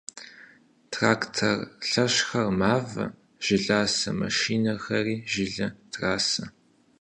Трактор лъэщхэр мавэ, жыласэ машинэхэм жылэ трасэ.